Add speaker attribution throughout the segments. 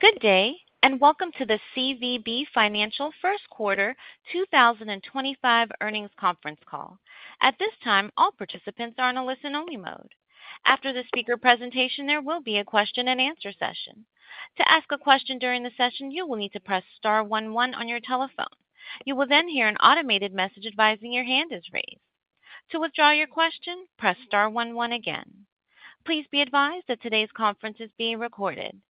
Speaker 1: Good day, and welcome to the CVB Financial First Quarter 2025 earnings conference call. At this time, all participants are on a listen-only mode. After the speaker presentation, there will be a question-and-answer session. To ask a question during the session, you will need to press *11 on your telephone. You will then hear an automated message advising your hand is raised. To withdraw your question, press *11 again. Please be advised that today's conference is being recorded.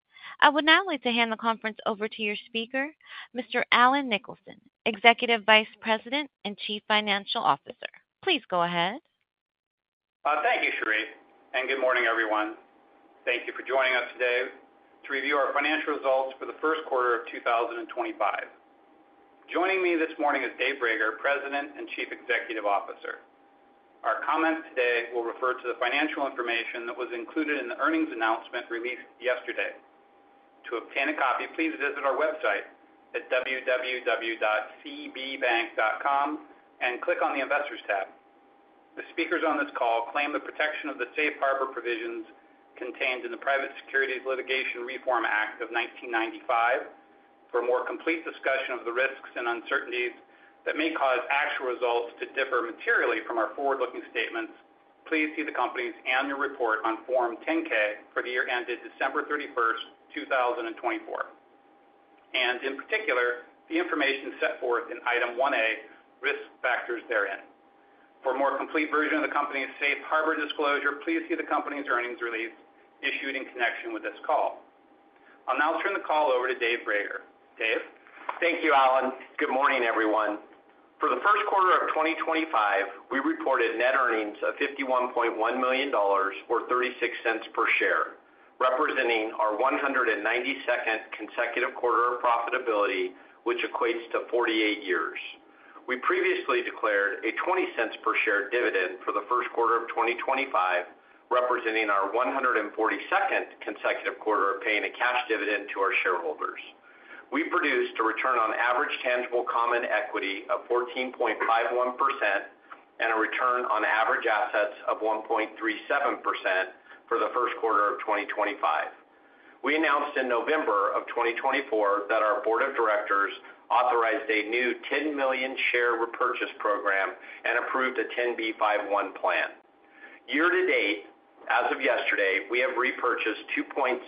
Speaker 1: I would now like to hand the conference over to your speaker, Mr. Allen Nicholson, Executive Vice President and Chief Financial Officer. Please go ahead.
Speaker 2: Thank you, Cherie, and good morning, everyone. Thank you for joining us today to review our financial results for the first quarter of 2025. Joining me this morning is Dave Brager, President and Chief Executive Officer. Our comments today will refer to the financial information that was included in the earnings announcement released yesterday. To obtain a copy, please visit our website at www.cbbank.com and click on the Investors tab. The speakers on this call claim the protection of the safe harbor provisions contained in the Private Securities Litigation Reform Act of 1995. For a more complete discussion of the risks and uncertainties that may cause actual results to differ materially from our forward-looking statements, please see the company's annual report on Form 10-K for the year ended December 31, 2024, and in particular, the information set forth in Item 1A, risk factors therein. For a more complete version of the company's safe harbor disclosure, please see the company's earnings release issued in connection with this call. I'll now turn the call over to Dave Brager. Dave.
Speaker 3: Thank you, Allen. Good morning, everyone. For the first quarter of 2025, we reported net earnings of $51.1 million or $0.36 per share, representing our 192nd consecutive quarter of profitability, which equates to 48 years. We previously declared a $0.20 per share dividend for the first quarter of 2025, representing our 142nd consecutive quarter of paying a cash dividend to our shareholders. We produced a return on average tangible common equity of 14.51% and a return on average assets of 1.37% for the first quarter of 2025. We announced in November of 2024 that our board of directors authorized a new 10 million share repurchase program and approved a 10b5-1 plan. Year to date, as of yesterday, we have repurchased 2.05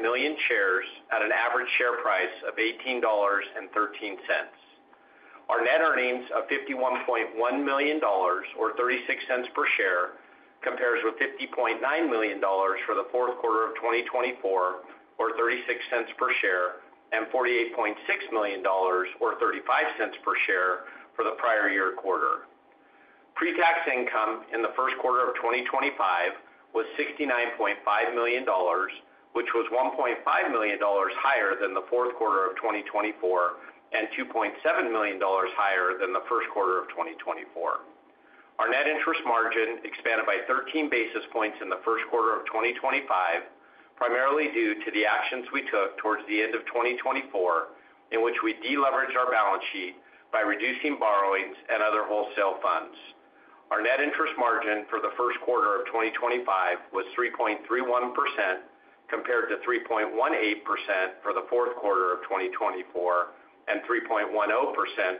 Speaker 3: million shares at an average share price of $18.13. Our net earnings of $51.1 million or 36 cents per share compares with $50.9 million for the fourth quarter of 2024, or 36 cents per share, and $48.6 million or 35 cents per share for the prior year quarter. Pre-tax income in the first quarter of 2025 was $69.5 million, which was $1.5 million higher than the fourth quarter of 2024 and $2.7 million higher than the first quarter of 2024. Our net interest margin expanded by 13 basis points in the first quarter of 2025, primarily due to the actions we took towards the end of 2024, in which we deleveraged our balance sheet by reducing borrowings and other wholesale funds. Our net interest margin for the first quarter of 2025 was 3.31% compared to 3.18% for the fourth quarter of 2024 and 3.10%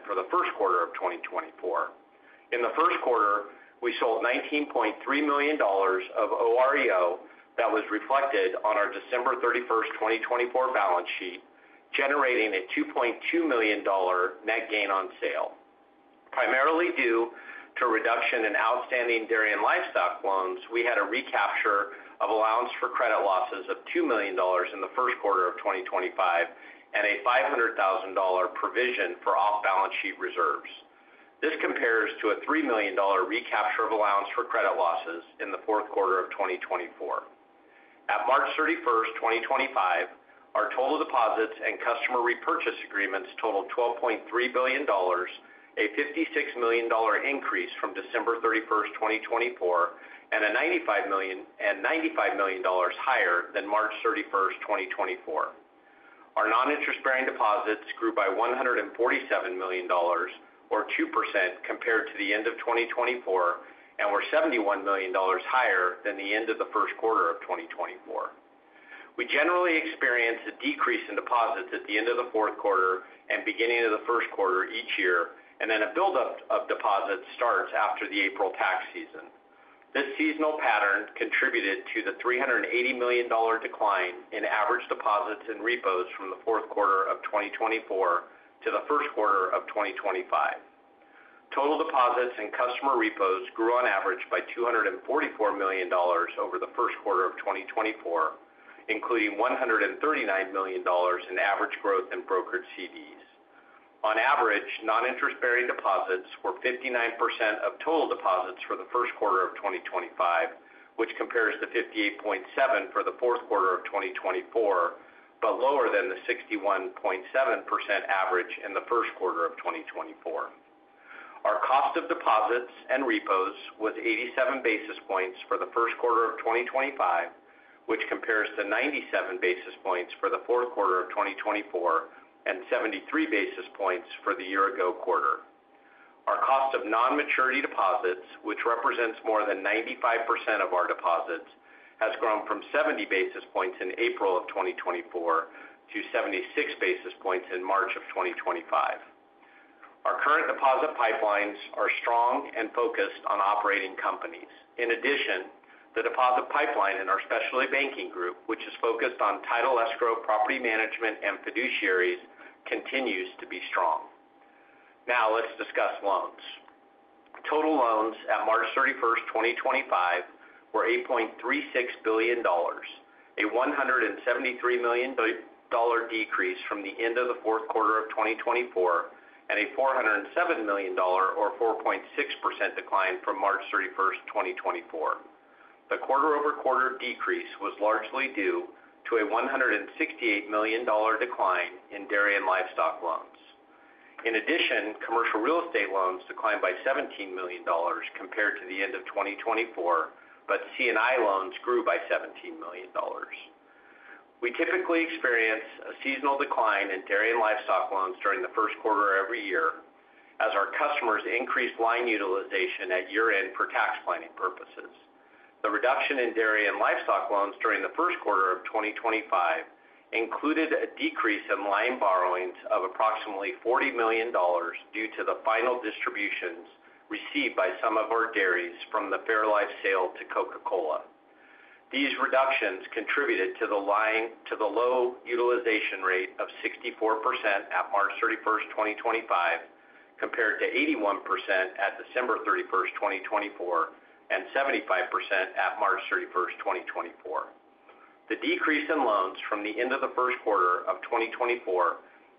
Speaker 3: for the first quarter of 2024. In the first quarter, we sold $19.3 million of OREO that was reflected on our December 31, 2024 balance sheet, generating a $2.2 million net gain on sale. Primarily due to a reduction in outstanding dairy and livestock loans, we had a recapture of allowance for credit losses of $2 million in the first quarter of 2025 and a $500,000 provision for off-balance sheet reserves. This compares to a $3 million recapture of allowance for credit losses in the fourth quarter of 2024. At March 31, 2025, our total deposits and customer repurchase agreements totaled $12.3 billion, a $56 million increase from December 31, 2024, and $95 million higher than March 31, 2024. Our noninterest-bearing deposits grew by $147 million, or 2%, compared to the end of 2024, and were $71 million higher than the end of the first quarter of 2024. We generally experience a decrease in deposits at the end of the fourth quarter and beginning of the first quarter each year, and then a build-up of deposits starts after the April tax season. This seasonal pattern contributed to the $380 million decline in average deposits and repos from the fourth quarter of 2024 to the first quarter of 2025. Total deposits and customer repos grew on average by $244 million over the first quarter of 2024, including $139 million in average growth in brokered CDs. On average, noninterest-bearing deposits were 59% of total deposits for the first quarter of 2025, which compares to 58.7% for the fourth quarter of 2024, but lower than the 61.7% average in the first quarter of 2024. Our cost of deposits and repos was 87 basis points for the first quarter of 2025, which compares to 97 basis points for the fourth quarter of 2024 and 73 basis points for the year-ago quarter. Our cost of non-maturity deposits, which represents more than 95% of our deposits, has grown from 70 basis points in April of 2024 to 76 basis points in March of 2025. Our current deposit pipelines are strong and focused on operating companies. In addition, the deposit pipeline in our specialty banking group, which is focused on title escrow, property management, and fiduciaries, continues to be strong. Now, let's discuss loans. Total loans at March 31st, 2025, were $8.36 billion, a $173 million decrease from the end of the fourth quarter of 2024, and a $407 million, or 4.6%, decline from March 31st, 2024. The quarter-over-quarter decrease was largely due to a $168 million decline in dairy and livestock loans. In addition, commercial real estate loans declined by $17 million compared to the end of 2024, but C&I loans grew by $17 million. We typically experience a seasonal decline in dairy and livestock loans during the first quarter of every year as our customers increase line utilization at year-end for tax planning purposes. The reduction in dairy and livestock loans during the first quarter of 2025 included a decrease in line borrowings of approximately $40 million due to the final distributions received by some of our dairies from the Fairlife sale to Coca-Cola. These reductions contributed to the low utilization rate of 64% at March 31, 2025, compared to 81% at December 31, 2024, and 75% at March 31, 2024. The decrease in loans from the end of the first quarter of 2024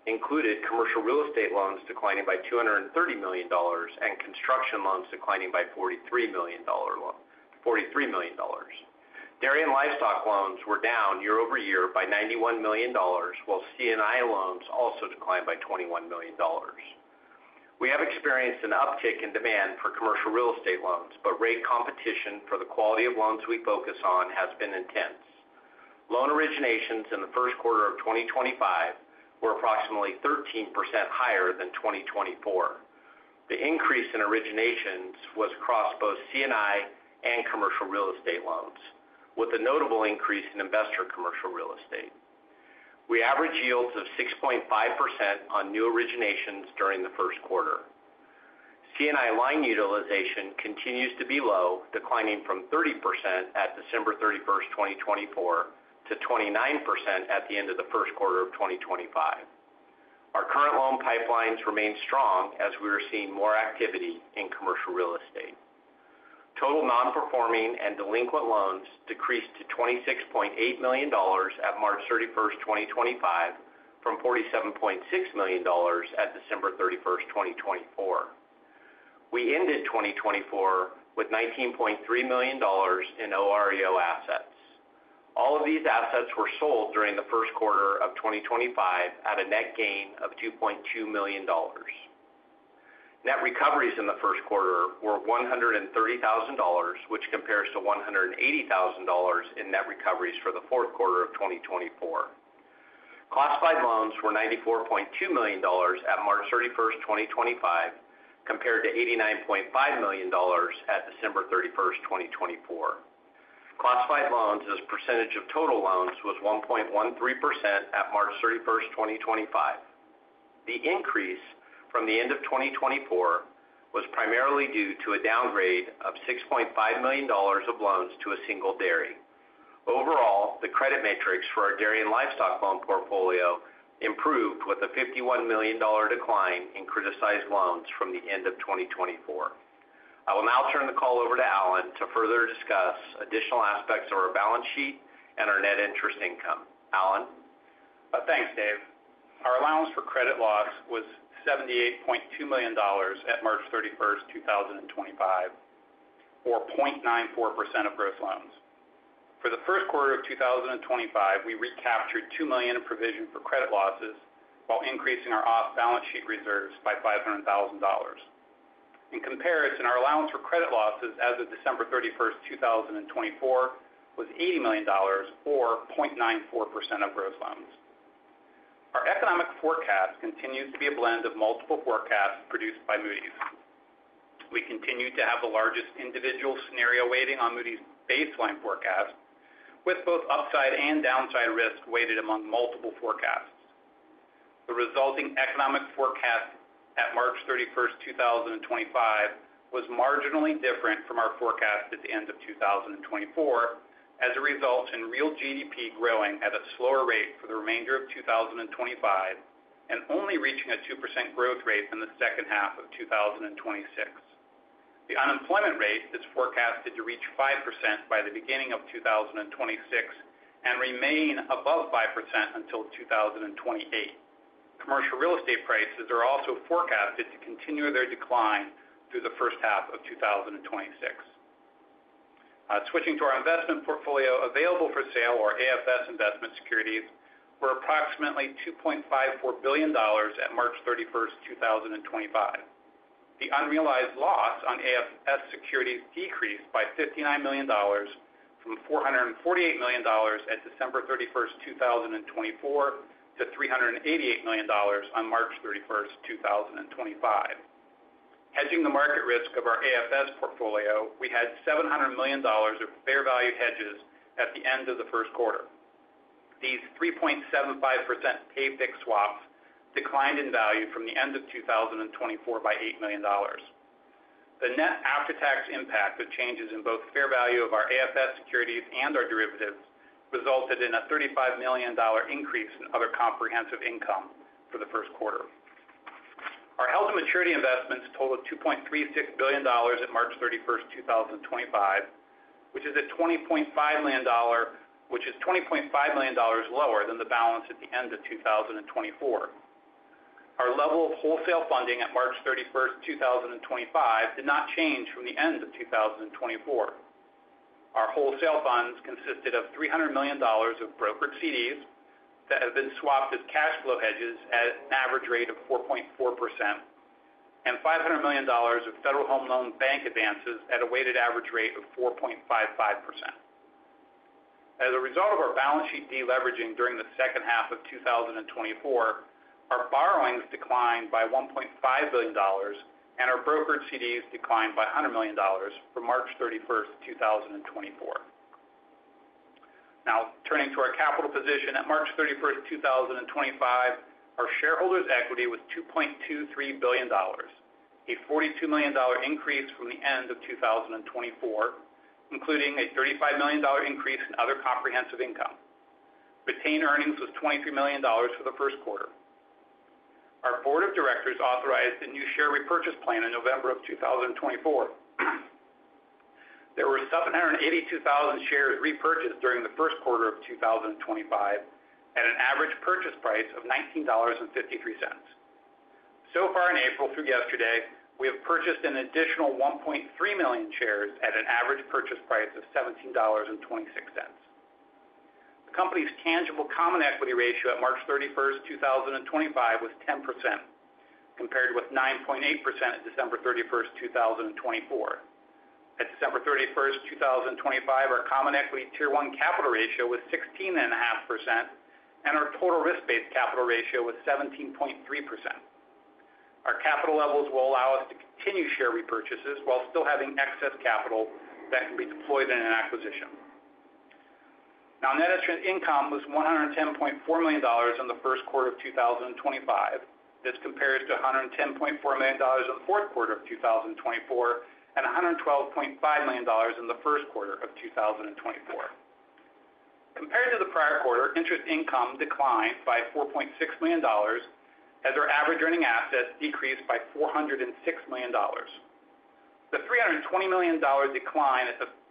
Speaker 3: included commercial real estate loans declining by $230 million and construction loans declining by $43 million. Dairy and livestock loans were down year-over-year by $91 million, while C&I loans also declined by $21 million. We have experienced an uptick in demand for commercial real estate loans, but rate competition for the quality of loans we focus on has been intense. Loan originations in the first quarter of 2025 were approximately 13% higher than 2024. The increase in originations was across both C&I and commercial real estate loans, with a notable increase in investor commercial real estate. We averaged yields of 6.5% on new originations during the first quarter. C&I line utilization continues to be low, declining from 30% at December 31, 2024, to 29% at the end of the first quarter of 2025. Our current loan pipelines remain strong as we are seeing more activity in commercial real estate. Total non-performing and delinquent loans decreased to $26.8 million at March 31, 2025, from $47.6 million at December 31, 2024. We ended 2024 with $19.3 million in OREO assets. All of these assets were sold during the first quarter of 2025 at a net gain of $2.2 million. Net recoveries in the first quarter were $130,000, which compares to $180,000 in net recoveries for the fourth quarter of 2024. Classified loans were $94.2 million at March 31, 2025, compared to $89.5 million at December 31, 2024. Classified loans as a percentage of total loans was 1.13% at March 31, 2025. The increase from the end of 2024 was primarily due to a downgrade of $6.5 million of loans to a single dairy. Overall, the credit matrix for our dairy and livestock loan portfolio improved with a $51 million decline in criticized loans from the end of 2024. I will now turn the call over to Allen to further discuss additional aspects of our balance sheet and our net interest income. Allen.
Speaker 2: Thanks, Dave. Our allowance for credit loss was $78.2 million at March 31, 2025, or 0.94% of gross loans. For the first quarter of 2025, we recaptured $2 million in provision for credit losses while increasing our off-balance sheet reserves by $500,000. In comparison, our allowance for credit losses as of December 31, 2024, was $80 million, or 0.94% of gross loans. Our economic forecast continues to be a blend of multiple forecasts produced by Moody's. We continue to have the largest individual scenario weighting on Moody's baseline forecast, with both upside and downside risk weighted among multiple forecasts. The resulting economic forecast at March 31, 2025, was marginally different from our forecast at the end of 2024 as a result in real GDP growing at a slower rate for the remainder of 2025 and only reaching a 2% growth rate in the second half of 2026. The unemployment rate is forecasted to reach 5% by the beginning of 2026 and remain above 5% until 2028. Commercial real estate prices are also forecasted to continue their decline through the first half of 2026. Switching to our investment portfolio available for sale, or AFS investment securities, were approximately $2.54 billion at March 31, 2025. The unrealized loss on AFS securities decreased by $59 million from $448 million at December 31, 2024, to $388 million on March 31, 2025. Hedging the market risk of our AFS portfolio, we had $700 million of fair value hedges at the end of the first quarter. These 3.75% pay fixed swaps declined in value from the end of 2024 by $8 million. The net after-tax impact of changes in both fair value of our AFS securities and our derivatives resulted in a $35 million increase in other comprehensive income for the first quarter. Our held-to-maturity investments totaled $2.36 billion at March 31, 2025, which is $20.5 million lower than the balance at the end of 2024. Our level of wholesale funding at March 31, 2025, did not change from the end of 2024. Our wholesale funds consisted of $300 million of brokered CDs that have been swapped as cash flow hedges at an average rate of 4.4%, and $500 million of Federal Home Loan Bank advances at a weighted average rate of 4.55%. As a result of our balance sheet deleveraging during the second half of 2024, our borrowings declined by $1.5 billion, and our brokered CDs declined by $100 million for March 31, 2024. Now, turning to our capital position at March 31, 2025, our shareholders' equity was $2.23 billion, a $42 million increase from the end of 2024, including a $35 million increase in other comprehensive income. Retained earnings was $23 million for the first quarter. Our board of directors authorized a new share repurchase plan in November of 2024. There were 782,000 shares repurchased during the first quarter of 2025 at an average purchase price of $19.53. In April through yesterday, we have purchased an additional 1.3 million shares at an average purchase price of $17.26. The company's tangible common equity ratio at March 31, 2025, was 10%, compared with 9.8% at December 31, 2024. At December 31, 2025, our common equity Tier 1 capital ratio was 16.5%, and our total risk-based capital ratio was 17.3%. Our capital levels will allow us to continue share repurchases while still having excess capital that can be deployed in an acquisition. Now, net interest income was $110.4 million in the first quarter of 2025. This compares to $110.4 million in the fourth quarter of 2024 and $112.5 million in the first quarter of 2024. Compared to the prior quarter, interest income declined by $4.6 million as our average earning assets decreased by $406 million. The $320 million decline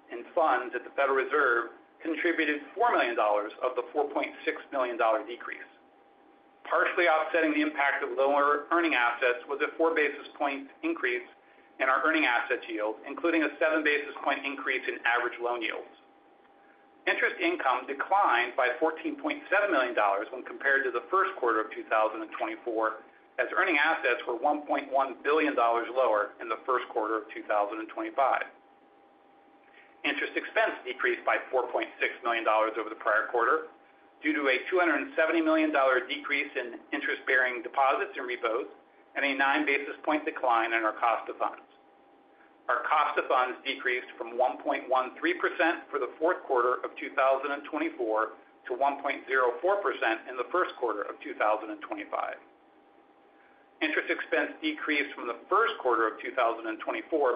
Speaker 2: in funds at the Federal Reserve contributed $4 million of the $4.6 million decrease. Partially offsetting the impact of lower earning assets was a four basis point increase in our earning assets yield, including a seven basis point increase in average loan yields. Interest income declined by $14.7 million when compared to the first quarter of 2024, as earning assets were $1.1 billion lower in the first quarter of 2025. Interest expense decreased by $4.6 million over the prior quarter due to a $270 million decrease in interest-bearing deposits and repos, and a nine basis point decline in our cost of funds. Our cost of funds decreased from 1.13% for the fourth quarter of 2024 to 1.04% in the first quarter of 2025. Interest expense decreased from the first quarter of 2024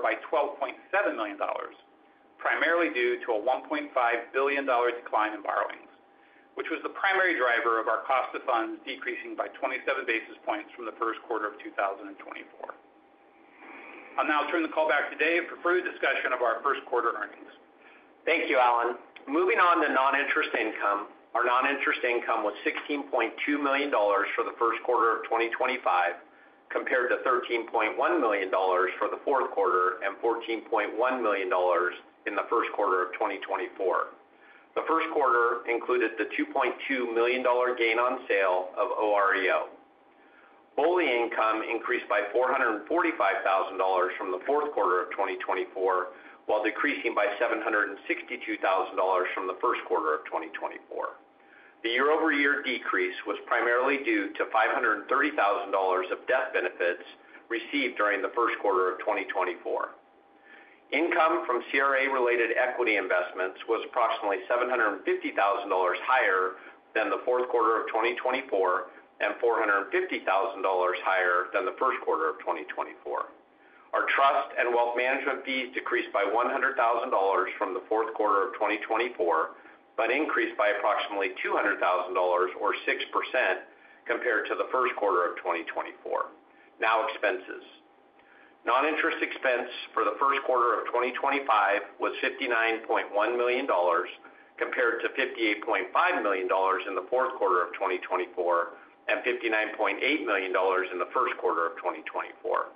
Speaker 2: by $12.7 million, primarily due to a $1.5 billion decline in borrowings, which was the primary driver of our cost of funds decreasing by 27 basis points from the first quarter of 2024. I'll now turn the call back to Dave for further discussion of our first quarter earnings.
Speaker 3: Thank you, Allen. Moving on to non-interest income, our non-interest income was $16.2 million for the first quarter of 2025, compared to $13.1 million for the fourth quarter and $14.1 million in the first quarter of 2024. The first quarter included the $2.2 million gain on sale of OREO. BOLI income increased by $445,000 from the fourth quarter of 2024, while decreasing by $762,000 from the first quarter of 2024. The year-over-year decrease was primarily due to $530,000 of death benefits received during the first quarter of 2024. Income from CRA-related equity investments was approximately $750,000 higher than the fourth quarter of 2024 and $450,000 higher than the first quarter of 2024. Our trust and wealth management fees decreased by $100,000 from the fourth quarter of 2024, but increased by approximately $200,000, or 6%, compared to the first quarter of 2024. Now, expenses. Non-interest expense for the first quarter of 2025 was $59.1 million, compared to $58.5 million in the fourth quarter of 2024 and $59.8 million in the first quarter of 2024.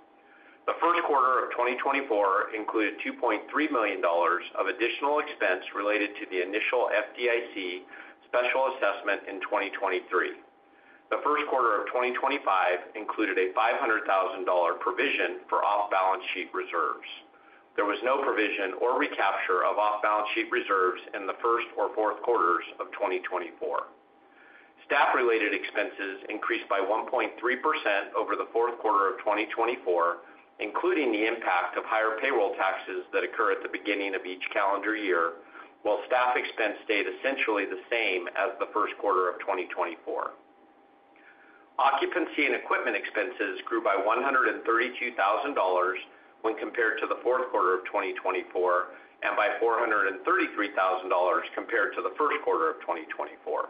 Speaker 3: The first quarter of 2024 included $2.3 million of additional expense related to the initial FDIC special assessment in 2023. The first quarter of 2025 included a $500,000 provision for off-balance sheet reserves. There was no provision or recapture of off-balance sheet reserves in the first or fourth quarters of 2024. Staff-related expenses increased by 1.3% over the fourth quarter of 2024, including the impact of higher payroll taxes that occur at the beginning of each calendar year, while staff expense stayed essentially the same as the first quarter of 2024. Occupancy and equipment expenses grew by $132,000 when compared to the fourth quarter of 2024 and by $433,000 compared to the first quarter of 2024.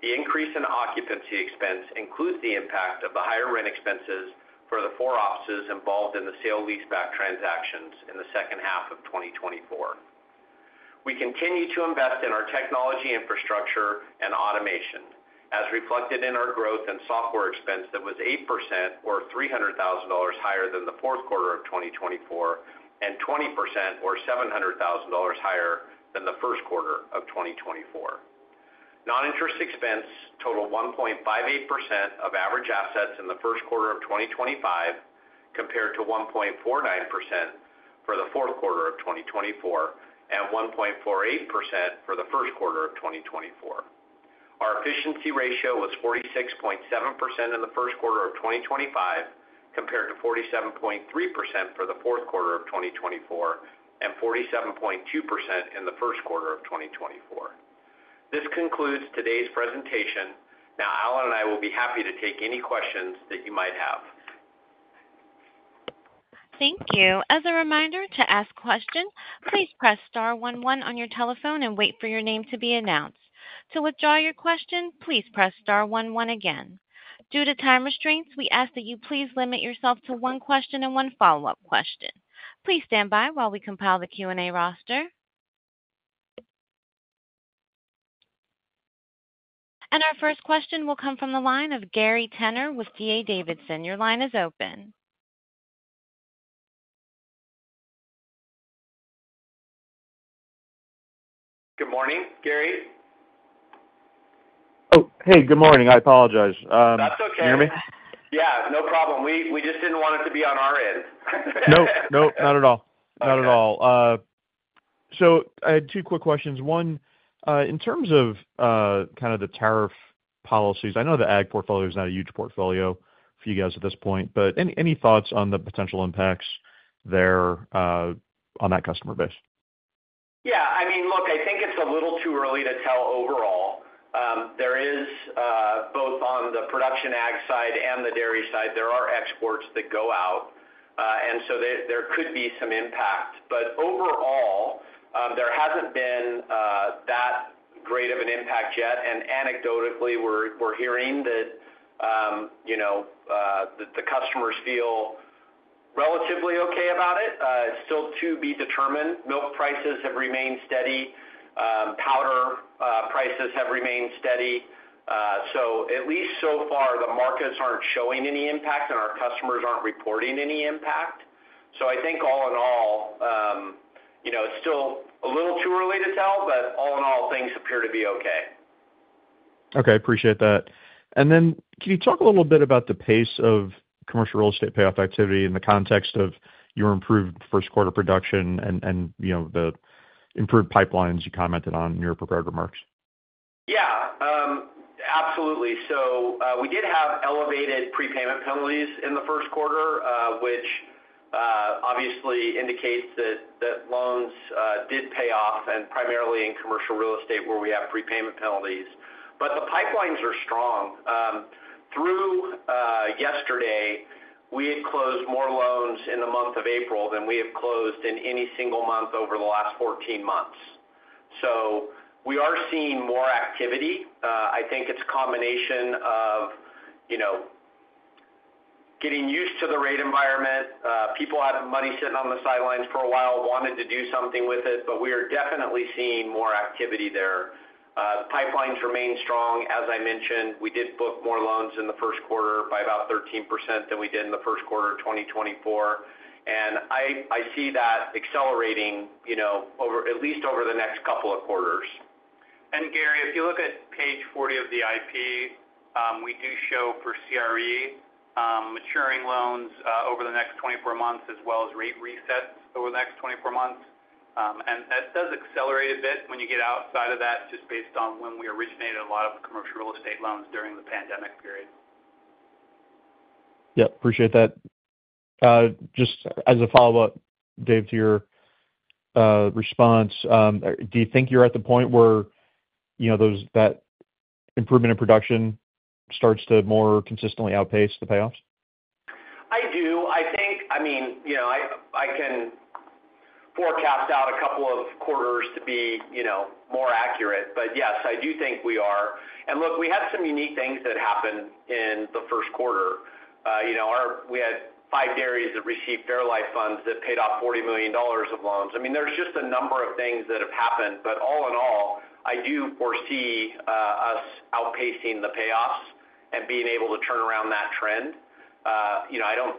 Speaker 3: The increase in occupancy expense includes the impact of the higher rent expenses for the four offices involved in the sale lease-back transactions in the second half of 2024. We continue to invest in our technology infrastructure and automation, as reflected in our growth in software expense that was 8%, or $300,000 higher than the fourth quarter of 2024, and 20%, or $700,000 higher than the first quarter of 2024. Non-interest expense totaled 1.58% of average assets in the first quarter of 2025, compared to 1.49% for the fourth quarter of 2024 and 1.48% for the first quarter of 2024. Our efficiency ratio was 46.7% in the first quarter of 2025, compared to 47.3% for the fourth quarter of 2024 and 47.2% in the first quarter of 2024. This concludes today's presentation. Now, Allen and I will be happy to take any questions that you might have.
Speaker 1: Thank you. As a reminder, to ask questions, please press *11 on your telephone and wait for your name to be announced. To withdraw your question, please press *11 again. Due to time restraints, we ask that you please limit yourself to one question and one follow-up question. Please stand by while we compile the Q&A roster. Our first question will come from the line of Gary Tenner with D.A. Davidson. Your line is open.
Speaker 3: Good morning, Gary.
Speaker 4: Oh, hey, good morning. I apologize.
Speaker 3: That's okay.
Speaker 4: Can you hear me?
Speaker 3: Yeah, no problem. We just didn't want it to be on our end.
Speaker 4: No, not at all. Not at all. I had two quick questions. One, in terms of kind of the tariff policies, I know the ag portfolio is not a huge portfolio for you guys at this point, but any thoughts on the potential impacts there on that customer base?
Speaker 3: Yeah. I mean, look, I think it's a little too early to tell overall. There is, both on the production ag side and the dairy side, there are exports that go out, and there could be some impact. Overall, there hasn't been that great of an impact yet. Anecdotally, we're hearing that the customers feel relatively okay about it. It's still to be determined. Milk prices have remained steady. Powder prices have remained steady. At least so far, the markets aren't showing any impact, and our customers aren't reporting any impact. I think all in all, it's still a little too early to tell, but all in all, things appear to be okay.
Speaker 4: Okay. Appreciate that. Can you talk a little bit about the pace of commercial real estate payoff activity in the context of your improved first quarter production and the improved pipelines you commented on in your prepared remarks?
Speaker 3: Yeah, absolutely. We did have elevated prepayment penalties in the first quarter, which obviously indicates that loans did pay off, and primarily in commercial real estate where we have prepayment penalties. The pipelines are strong. Through yesterday, we had closed more loans in the month of April than we have closed in any single month over the last 14 months. We are seeing more activity. I think it is a combination of getting used to the rate environment. People had money sitting on the sidelines for a while, wanted to do something with it, but we are definitely seeing more activity there. Pipelines remain strong. As I mentioned, we did book more loans in the first quarter by about 13% than we did in the first quarter of 2024. I see that accelerating at least over the next couple of quarters. Gary, if you look at page 40 of the IP, we do show for CRE maturing loans over the next 24 months, as well as rate resets over the next 24 months. That does accelerate a bit when you get outside of that, just based on when we originated a lot of commercial real estate loans during the pandemic period.
Speaker 4: Yep. Appreciate that. Just as a follow-up, Dave, to your response, do you think you're at the point where that improvement in production starts to more consistently outpace the payoffs?
Speaker 3: I do. I think, I mean, I can forecast out a couple of quarters to be more accurate, but yes, I do think we are. Look, we had some unique things that happened in the first quarter. We had five dairies that received Fairlife funds that paid off $40 million of loans. I mean, there's just a number of things that have happened, but all in all, I do foresee us outpacing the payoffs and being able to turn around that trend.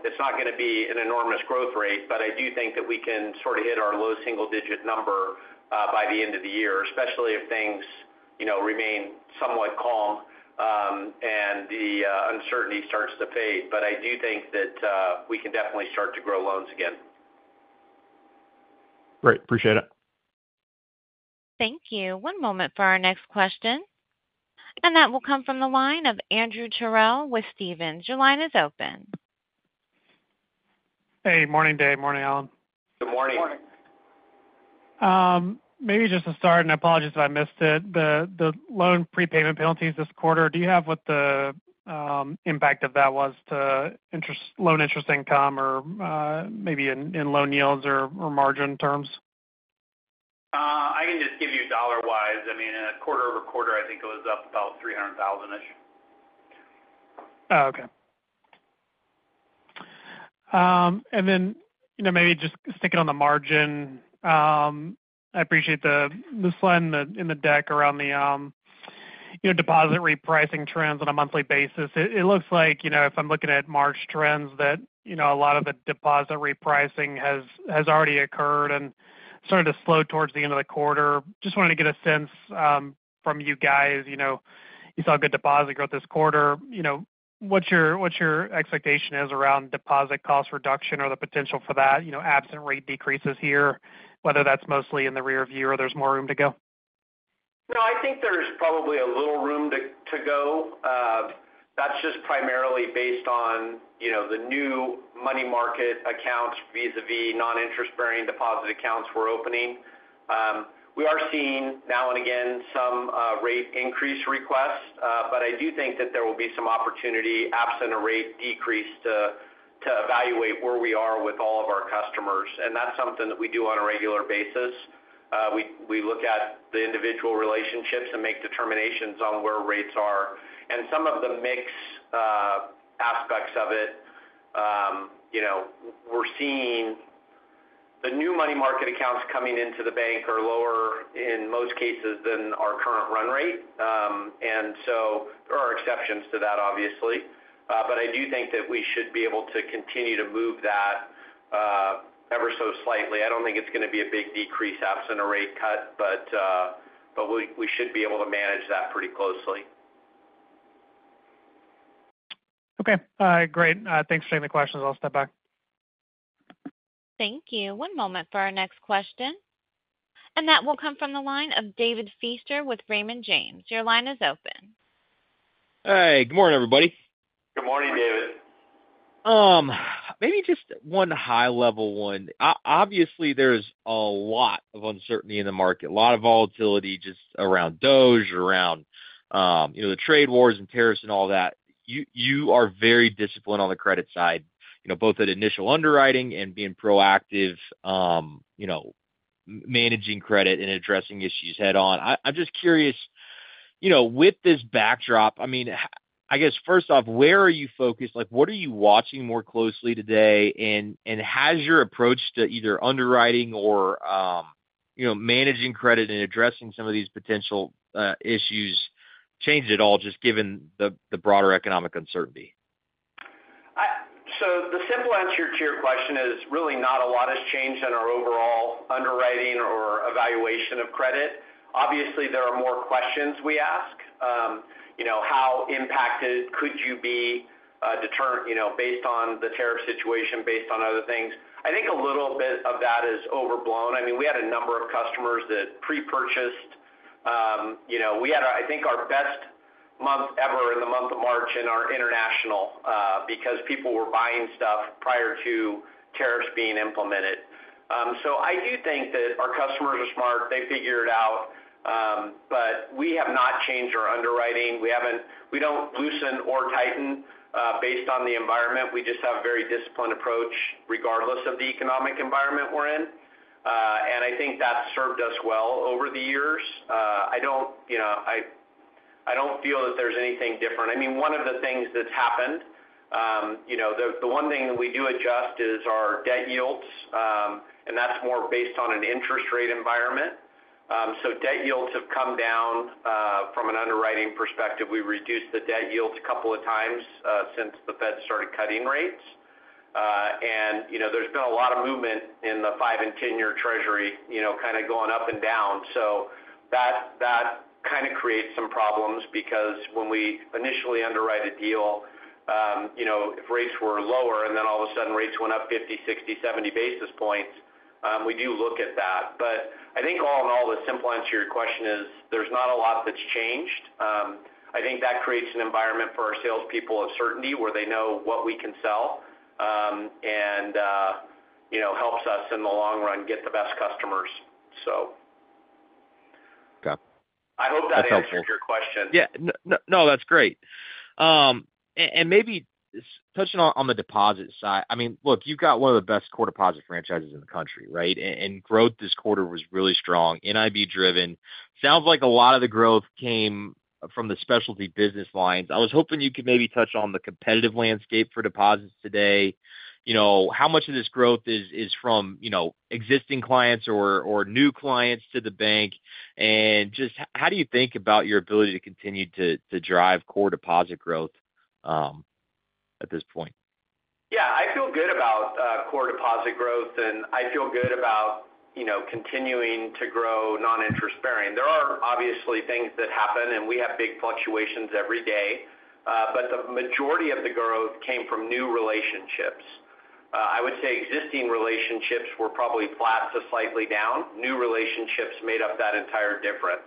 Speaker 3: It's not going to be an enormous growth rate, but I do think that we can sort of hit our low single-digit number by the end of the year, especially if things remain somewhat calm and the uncertainty starts to fade. I do think that we can definitely start to grow loans again.
Speaker 4: Great. Appreciate it.
Speaker 1: Thank you. One moment for our next question. That will come from the line of Andrew Terrell with Stephens. Your line is open.
Speaker 5: Hey. Morning, Dave. Morning, Allen.
Speaker 3: Good morning.
Speaker 5: Morning. Maybe just to start, and I apologize if I missed it, the loan prepayment penalties this quarter, do you have what the impact of that was to loan interest income or maybe in loan yields or margin terms?
Speaker 3: I can just give you dollar-wise. I mean, quarter over quarter, I think it was up about $300,000-ish.
Speaker 5: Oh, okay. Maybe just sticking on the margin, I appreciate this line in the deck around the deposit repricing trends on a monthly basis. It looks like if I'm looking at March trends, that a lot of the deposit repricing has already occurred and started to slow towards the end of the quarter. Just wanted to get a sense from you guys. You saw good deposit growth this quarter. What's your expectation as around deposit cost reduction or the potential for that absent rate decreases here, whether that's mostly in the rearview or there's more room to go?
Speaker 3: No, I think there's probably a little room to go. That's just primarily based on the new money market accounts vis-à-vis non-interest-bearing deposit accounts we're opening. We are seeing now and again some rate increase requests, but I do think that there will be some opportunity absent a rate decrease to evaluate where we are with all of our customers. That's something that we do on a regular basis. We look at the individual relationships and make determinations on where rates are. Some of the mixed aspects of it, we're seeing the new money market accounts coming into the bank are lower in most cases than our current run rate. There are exceptions to that, obviously. I do think that we should be able to continue to move that ever so slightly. I don't think it's going to be a big decrease absent a rate cut, but we should be able to manage that pretty closely.
Speaker 5: Okay. Great. Thanks for taking the questions. I'll step back.
Speaker 1: Thank you. One moment for our next question. That will come from the line of David Feaster with Raymond James. Your line is open.
Speaker 6: Hey. Good morning, everybody.
Speaker 3: Good morning, David.
Speaker 6: Maybe just one high-level one. Obviously, there's a lot of uncertainty in the market, a lot of volatility just around DOGE, around the trade wars and tariffs and all that. You are very disciplined on the credit side, both at initial underwriting and being proactive, managing credit and addressing issues head-on. I'm just curious, with this backdrop, I mean, I guess, first off, where are you focused? What are you watching more closely today? Has your approach to either underwriting or managing credit and addressing some of these potential issues changed at all, just given the broader economic uncertainty?
Speaker 3: The simple answer to your question is really not a lot has changed in our overall underwriting or evaluation of credit. Obviously, there are more questions we ask. How impacted could you be based on the tariff situation, based on other things? I think a little bit of that is overblown. I mean, we had a number of customers that pre-purchased. We had, I think, our best month ever in the month of March in our international because people were buying stuff prior to tariffs being implemented. I do think that our customers are smart. They figure it out. We have not changed our underwriting. We do not loosen or tighten based on the environment. We just have a very disciplined approach regardless of the economic environment we are in. I think that has served us well over the years. I do not feel that there is anything different. I mean, one of the things that's happened, the one thing that we do adjust is our debt yields, and that's more based on an interest rate environment. Debt yields have come down from an underwriting perspective. We reduced the debt yields a couple of times since the Fed started cutting rates. There has been a lot of movement in the 5 and 10-year treasury kind of going up and down. That kind of creates some problems because when we initially underwrite a deal, if rates were lower and then all of a sudden rates went up 50, 60, 70 basis points, we do look at that. I think all in all, the simple answer to your question is there's not a lot that's changed. I think that creates an environment for our salespeople of certainty where they know what we can sell and helps us in the long run get the best customers.
Speaker 6: Okay.
Speaker 3: I hope that answers your question.
Speaker 6: Yeah. No, that's great. Maybe touching on the deposit side, I mean, look, you've got one of the best core deposit franchises in the country, right? Growth this quarter was really strong, NIB-driven. Sounds like a lot of the growth came from the specialty business lines. I was hoping you could maybe touch on the competitive landscape for deposits today. How much of this growth is from existing clients or new clients to the bank? Just how do you think about your ability to continue to drive core deposit growth at this point?
Speaker 3: Yeah. I feel good about core deposit growth, and I feel good about continuing to grow noninterest-bearing. There are obviously things that happen, and we have big fluctuations every day. The majority of the growth came from new relationships. I would say existing relationships were probably flat to slightly down. New relationships made up that entire difference.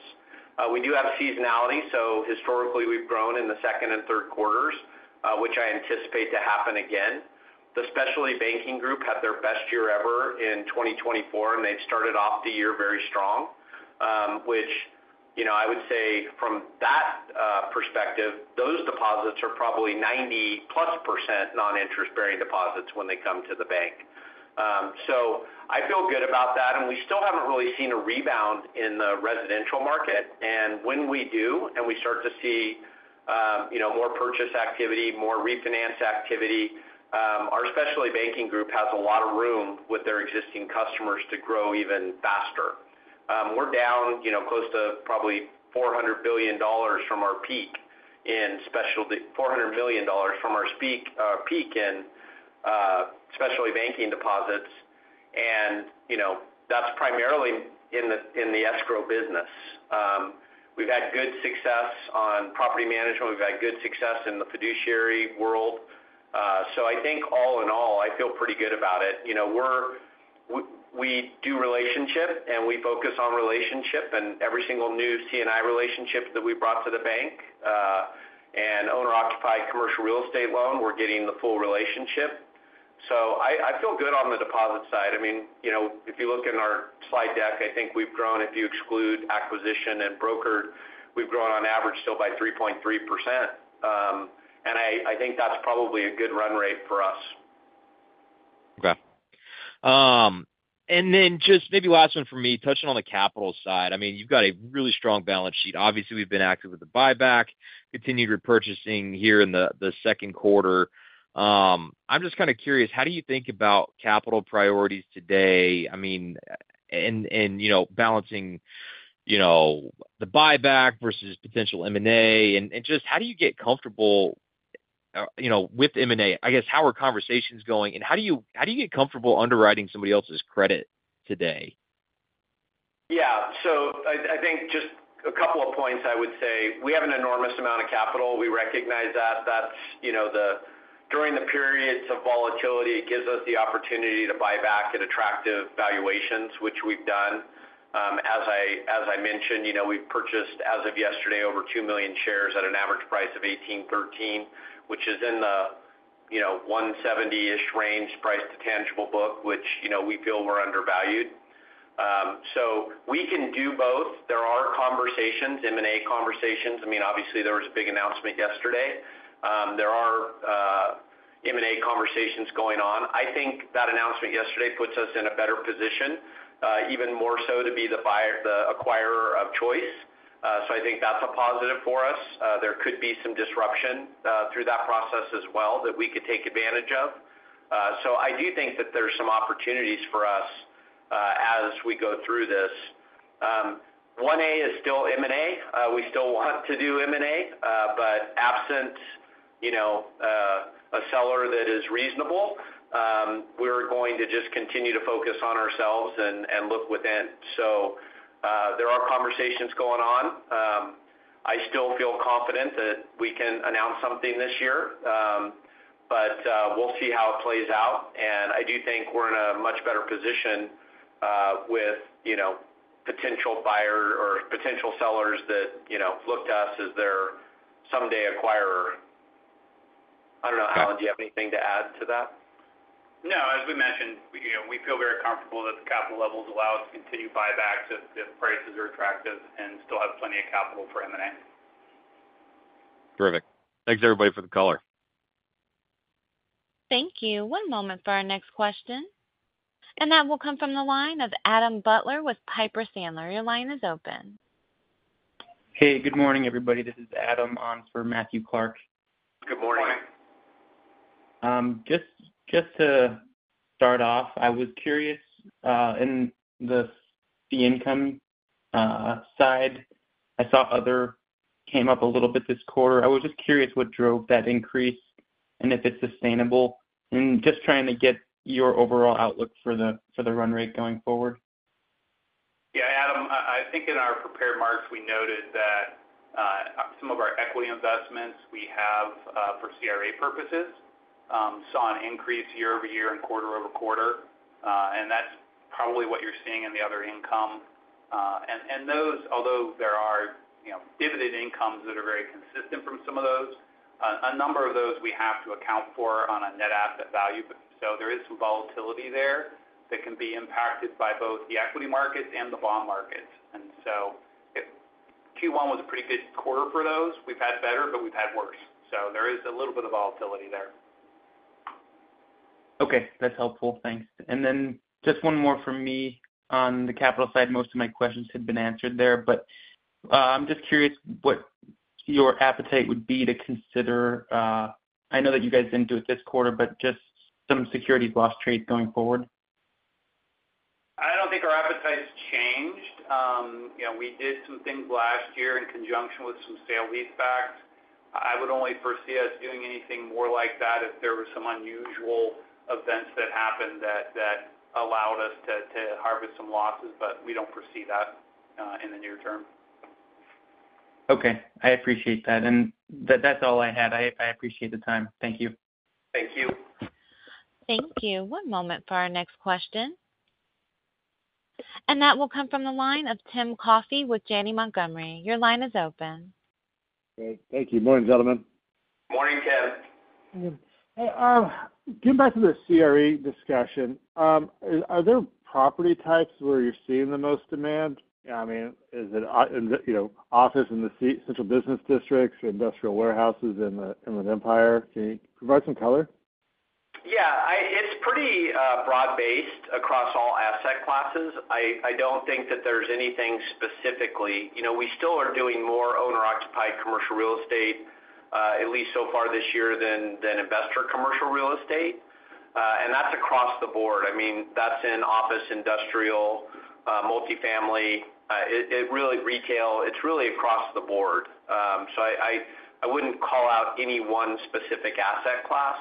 Speaker 3: We do have seasonality. Historically, we've grown in the second and third quarters, which I anticipate to happen again. The specialty banking group had their best year ever in 2024, and they've started off the year very strong, which I would say from that perspective, those deposits are probably 90% plus noninterest-bearing deposits when they come to the bank. I feel good about that. We still haven't really seen a rebound in the residential market. When we do and we start to see more purchase activity, more refinance activity, our specialty banking group has a lot of room with their existing customers to grow even faster. We're down close to probably $400 million from our peak in specialty banking deposits. And that's primarily in the escrow business. We've had good success on property management. We've had good success in the fiduciary world. I think all in all, I feel pretty good about it. We do relationship, and we focus on relationship. Every single new C&I relationship that we brought to the bank and owner-occupied commercial real estate loan, we're getting the full relationship. I feel good on the deposit side. I mean, if you look in our slide deck, I think we've grown, if you exclude acquisition and broker, we've grown on average still by 3.3%. I think that's probably a good run rate for us.
Speaker 6: Okay. And then just maybe last one for me, touching on the capital side. I mean, you've got a really strong balance sheet. Obviously, we've been active with the buyback, continued repurchasing here in the second quarter. I'm just kind of curious, how do you think about capital priorities today? I mean, and balancing the buyback versus potential M&A and just how do you get comfortable with M&A? I guess, how are conversations going? And how do you get comfortable underwriting somebody else's credit today?
Speaker 3: Yeah. I think just a couple of points I would say. We have an enormous amount of capital. We recognize that. During the periods of volatility, it gives us the opportunity to buy back at attractive valuations, which we've done. As I mentioned, we've purchased, as of yesterday, over 2 million shares at an average price of $18.13, which is in the 1.70-ish range price to tangible book, which we feel we're undervalued. We can do both. There are conversations, M&A conversations. I mean, obviously, there was a big announcement yesterday. There are M&A conversations going on. I think that announcement yesterday puts us in a better position, even more so to be the acquirer of choice. I think that's a positive for us. There could be some disruption through that process as well that we could take advantage of. I do think that there's some opportunities for us as we go through this. 1A is still M&A. We still want to do M&A, but absent a seller that is reasonable, we're going to just continue to focus on ourselves and look within. There are conversations going on. I still feel confident that we can announce something this year, but we'll see how it plays out. I do think we're in a much better position with potential buyer or potential sellers that look to us as their someday acquirer. I don't know, Allen, do you have anything to add to that?
Speaker 2: No. As we mentioned, we feel very comfortable that the capital levels allow us to continue buybacks if prices are attractive and still have plenty of capital for M&A.
Speaker 6: Terrific. Thanks, everybody, for the call.
Speaker 1: Thank you. One moment for our next question. That will come from the line of Adam Butler with Piper Sandler. Your line is open.
Speaker 7: Hey. Good morning, everybody. This is Adam on for Matthew Clark.
Speaker 3: Good morning.
Speaker 7: Morning. Just to start off, I was curious in the income side. I saw other came up a little bit this quarter. I was just curious what drove that increase and if it's sustainable and just trying to get your overall outlook for the run rate going forward.
Speaker 3: Yeah. Adam, I think in our prepared marks, we noted that some of our equity investments we have for CRA purposes saw an increase year over year and quarter over quarter. That's probably what you're seeing in the other income. Those, although there are dividend incomes that are very consistent from some of those, a number of those we have to account for on a net asset value. There is some volatility there that can be impacted by both the equity markets and the bond markets. Q1 was a pretty good quarter for those. We've had better, but we've had worse. There is a little bit of volatility there.
Speaker 7: Okay. That's helpful. Thanks. Just one more for me on the capital side. Most of my questions had been answered there, but I'm just curious what your appetite would be to consider. I know that you guys did not do it this quarter, but just some securities loss trades going forward.
Speaker 3: I don't think our appetite has changed. We did some things last year in conjunction with some sale lease backs. I would only foresee us doing anything more like that if there were some unusual events that happened that allowed us to harvest some losses, but we don't foresee that in the near term.
Speaker 7: Okay. I appreciate that. That is all I had. I appreciate the time. Thank you.
Speaker 3: Thank you.
Speaker 1: Thank you. One moment for our next question. That will come from the line of Tim Coffey with Janney Montgomery. Your line is open.
Speaker 8: Thank you. Morning, gentlemen.
Speaker 3: Morning, Tim.
Speaker 8: Getting back to the CRE discussion, are there property types where you're seeing the most demand? I mean, is it office in the central business districts or industrial warehouses in the Inland Empire? Can you provide some color?
Speaker 3: Yeah. It's pretty broad-based across all asset classes. I don't think that there's anything specifically. We still are doing more owner-occupied commercial real estate, at least so far this year, than investor commercial real estate. That's across the board. I mean, that's in office, industrial, multifamily. It's really across the board. I wouldn't call out any one specific asset class.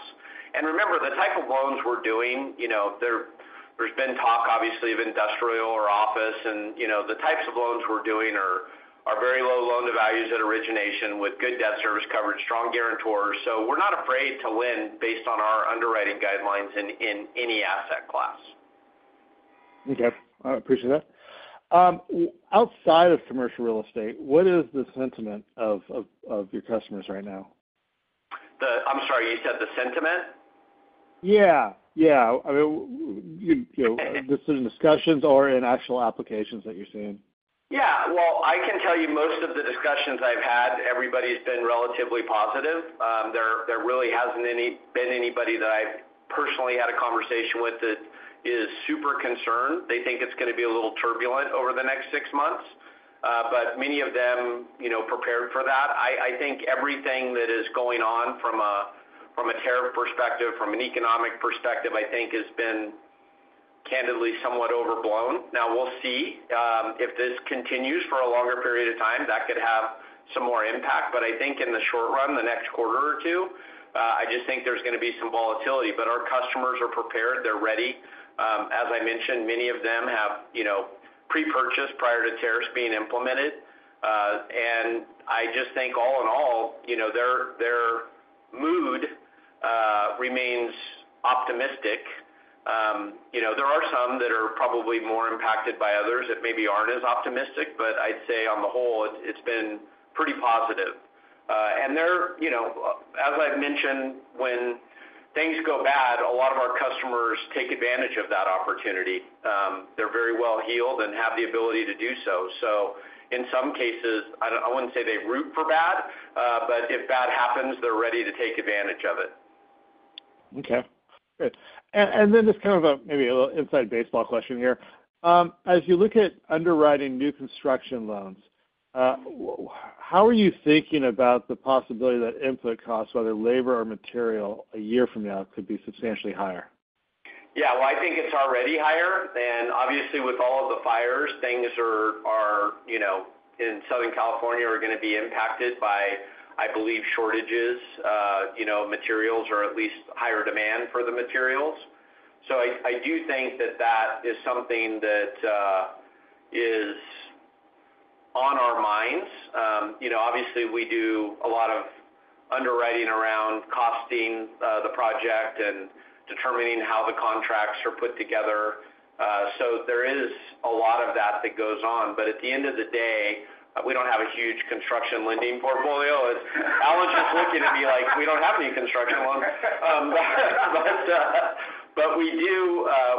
Speaker 3: Remember, the type of loans we're doing, there's been talk, obviously, of industrial or office. The types of loans we're doing are very low loan-to-values at origination with good debt service coverage, strong guarantors. We're not afraid to win based on our underwriting guidelines in any asset class.
Speaker 8: Okay. I appreciate that. Outside of commercial real estate, what is the sentiment of your customers right now?
Speaker 3: I'm sorry. You said the sentiment?
Speaker 8: Yeah. Yeah. I mean, just in discussions or in actual applications that you're seeing?
Speaker 3: Yeah. I can tell you most of the discussions I've had, everybody's been relatively positive. There really hasn't been anybody that I've personally had a conversation with that is super concerned. They think it's going to be a little turbulent over the next six months, but many of them prepared for that. I think everything that is going on from a tariff perspective, from an economic perspective, I think has been candidly somewhat overblown. Now, we'll see if this continues for a longer period of time. That could have some more impact. I think in the short run, the next quarter or two, I just think there's going to be some volatility. Our customers are prepared. They're ready. As I mentioned, many of them have pre-purchased prior to tariffs being implemented. I just think all in all, their mood remains optimistic. There are some that are probably more impacted by others that maybe aren't as optimistic, but I'd say on the whole, it's been pretty positive. As I've mentioned, when things go bad, a lot of our customers take advantage of that opportunity. They're very well-heeled and have the ability to do so. In some cases, I wouldn't say they root for bad, but if bad happens, they're ready to take advantage of it.
Speaker 8: Okay. Good. Just kind of maybe a little inside baseball question here. As you look at underwriting new construction loans, how are you thinking about the possibility that input costs, whether labor or material, a year from now could be substantially higher?
Speaker 3: Yeah. I think it's already higher. Obviously, with all of the fires, things in Southern California are going to be impacted by, I believe, shortages, materials, or at least higher demand for the materials. I do think that that is something that is on our minds. Obviously, we do a lot of underwriting around costing the project and determining how the contracts are put together. There is a lot of that that goes on. At the end of the day, we don't have a huge construction lending portfolio. Allen's just looking at me like, "We don't have any construction loans."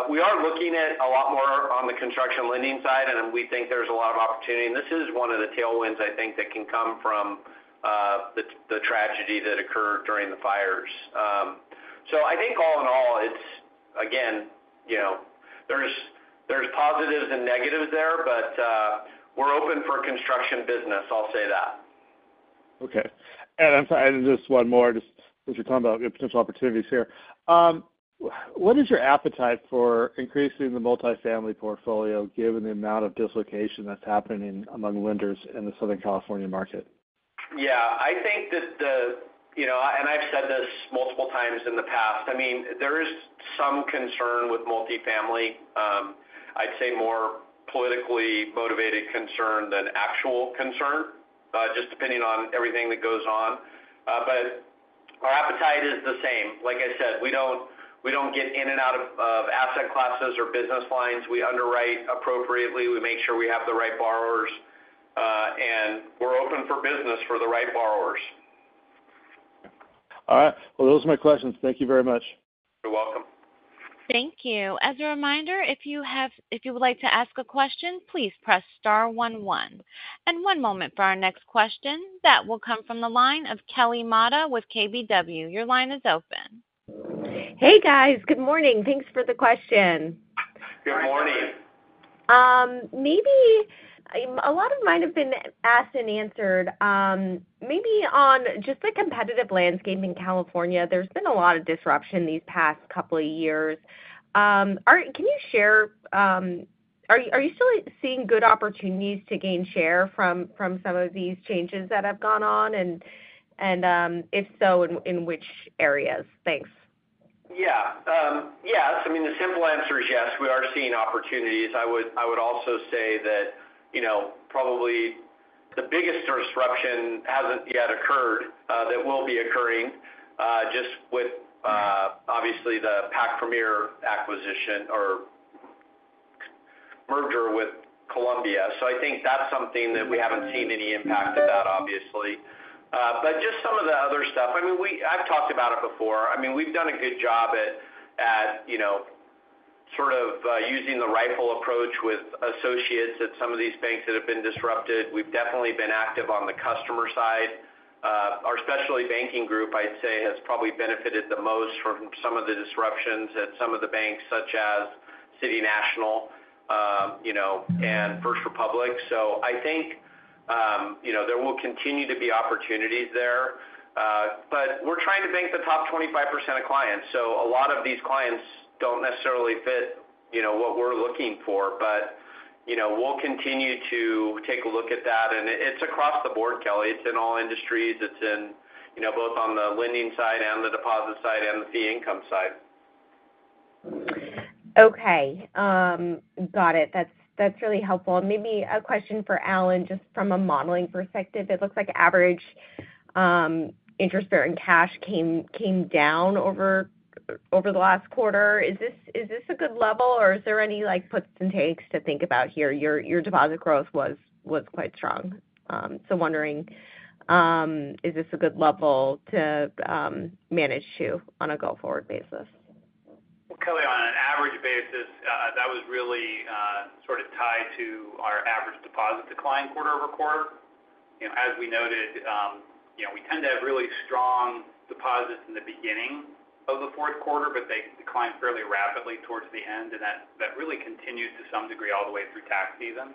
Speaker 3: We are looking at a lot more on the construction lending side, and we think there's a lot of opportunity. This is one of the tailwinds, I think, that can come from the tragedy that occurred during the fires. I think all in all, again, there's positives and negatives there, but we're open for construction business. I'll say that.
Speaker 8: Okay. I'm sorry. Just one more. Just as you're talking about potential opportunities here, what is your appetite for increasing the multifamily portfolio given the amount of dislocation that's happening among lenders in the Southern California market?
Speaker 3: Yeah. I think that the—and I've said this multiple times in the past. I mean, there is some concern with multifamily. I'd say more politically motivated concern than actual concern, just depending on everything that goes on. Our appetite is the same. Like I said, we don't get in and out of asset classes or business lines. We underwrite appropriately. We make sure we have the right borrowers, and we're open for business for the right borrowers.
Speaker 8: All right. Those are my questions. Thank you very much.
Speaker 3: You're welcome.
Speaker 1: Thank you. As a reminder, if you would like to ask a question, please press *11. One moment for our next question. That will come from the line of Kelly Motta with KBW. Your line is open.
Speaker 9: Hey, guys. Good morning. Thanks for the question.
Speaker 3: Good morning.
Speaker 9: Maybe a lot of mine have been asked and answered. Maybe on just the competitive landscape in California, there's been a lot of disruption these past couple of years. Can you share? Are you still seeing good opportunities to gain share from some of these changes that have gone on? If so, in which areas? Thanks.
Speaker 3: Yeah. Yeah. I mean, the simple answer is yes. We are seeing opportunities. I would also say that probably the biggest disruption has not yet occurred that will be occurring just with, obviously, the Pac Premier acquisition or merger with Columbia. I think that is something that we have not seen any impact of that, obviously. Just some of the other stuff. I mean, I have talked about it before. I mean, we have done a good job at sort of using the rifle approach with associates at some of these banks that have been disrupted. We have definitely been active on the customer side. Our specialty banking group, I would say, has probably benefited the most from some of the disruptions at some of the banks, such as City National and First Republic. I think there will continue to be opportunities there. We are trying to bank the top 25% of clients. A lot of these clients do not necessarily fit what we are looking for, but we will continue to take a look at that. It is across the board, Kelly. It is in all industries. It is in both on the lending side and the deposit side and the fee income side.
Speaker 9: Okay. Got it. That's really helpful. Maybe a question for Allen, just from a modeling perspective. It looks like average interest-bearing cash came down over the last quarter. Is this a good level, or is there any puts and takes to think about here? Your deposit growth was quite strong. Wondering, is this a good level to manage to on a go-forward basis?
Speaker 10: Kelly, on an average basis, that was really sort of tied to our average deposit decline quarter over quarter. As we noted, we tend to have really strong deposits in the beginning of the fourth quarter, but they decline fairly rapidly towards the end. That really continues to some degree all the way through tax season.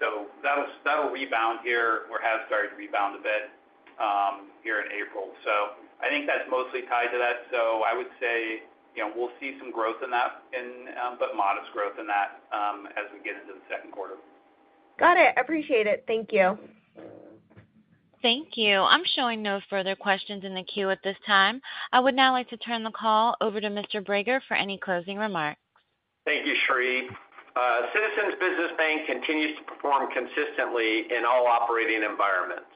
Speaker 10: That will rebound here or has started to rebound a bit here in April. I think that is mostly tied to that. I would say we will see some growth in that, but modest growth in that as we get into the second quarter.
Speaker 9: Got it. I appreciate it. Thank you.
Speaker 1: Thank you. I'm showing no further questions in the queue at this time. I would now like to turn the call over to Mr. Brager for any closing remarks.
Speaker 3: Thank you, Cherie. Citizens Business Bank continues to perform consistently in all operating environments.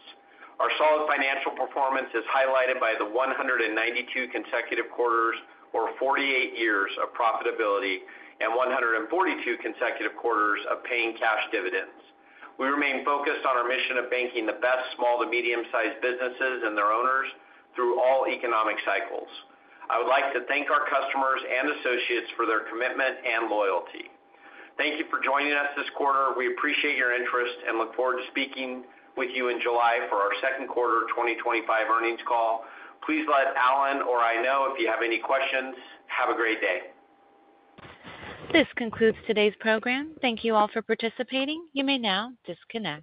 Speaker 3: Our solid financial performance is highlighted by the 192 consecutive quarters or 48 years of profitability and 142 consecutive quarters of paying cash dividends. We remain focused on our mission of banking the best small to medium-sized businesses and their owners through all economic cycles. I would like to thank our customers and associates for their commitment and loyalty. Thank you for joining us this quarter. We appreciate your interest and look forward to speaking with you in July for our second quarter 2025 earnings call. Please let Allen or I know if you have any questions. Have a great day.
Speaker 1: This concludes today's program. Thank you all for participating. You may now disconnect.